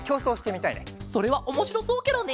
それはおもしろそうケロね！